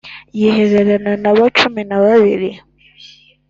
yihererana n’abo cumi na babiri